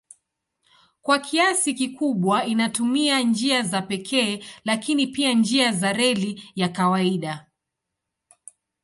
Kwa kiasi kikubwa inatumia njia za pekee lakini pia njia za reli ya kawaida.